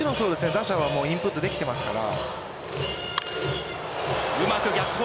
打者はインプットできていますから。